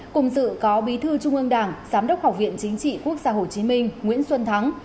cùng dự có bí thư trung ương đảng giám đốc học viện chính trị quốc gia hồ chí minh nguyễn xuân thắng